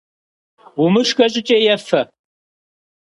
Умышхэ щӏыкӏэ ефэ!